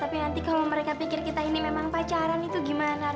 tapi nanti kalau mereka pikir kita ini memang pacaran itu gimana